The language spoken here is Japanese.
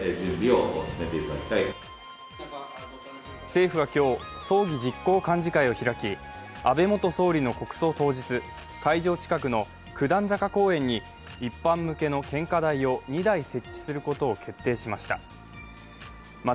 政府は今日、葬儀実行幹事会を開き安倍元総理の国葬当日、会場近くの九段坂公園に一般向けの献花台を２台設置することを決定しました。